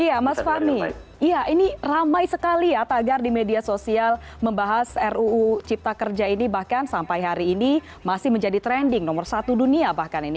iya mas fahmi iya ini ramai sekali ya tagar di media sosial membahas ruu cipta kerja ini bahkan sampai hari ini masih menjadi trending nomor satu dunia bahkan ini